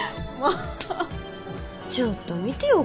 ちょっと見てよ